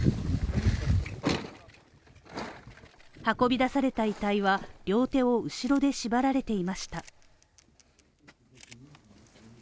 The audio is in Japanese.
運び出された遺体は両手を後ろで縛られていました。